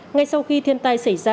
ngay sau khi thiên tai xảy ra